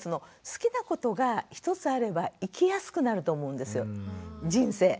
好きなことが１つあれば生きやすくなると思うんですよ人生。